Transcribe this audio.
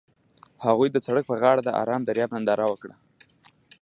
هغوی د سړک پر غاړه د آرام دریاب ننداره وکړه.